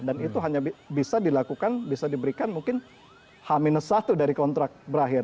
dan itu hanya bisa dilakukan bisa diberikan mungkin h satu dari kontrak berakhir